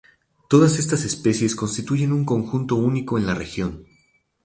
Todas estas especies constituyen un conjunto único en la región.